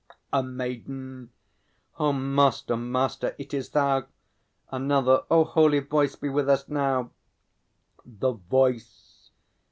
A MAIDEN. O Master, Master, it is Thou! ANOTHER. O Holy Voice, be with us now! THE VOICE.